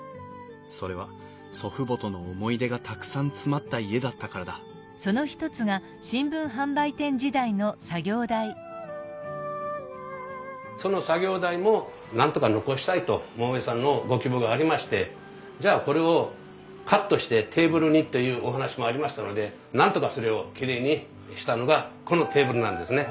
それは祖父母との思い出がたくさん詰まった家だったからだその作業台もなんとか残したいと桃井さんのご希望がありましてじゃあこれをカットしてテーブルにというお話もありましたのでなんとかそれをきれいにしたのがこのテーブルなんですね。